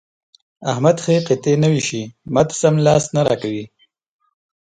احمد ښې قطعې نه وېشي؛ ما ته سم لاس نه راکوي.